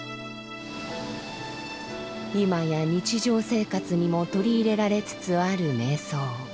今や日常生活にも取り入れられつつある瞑想。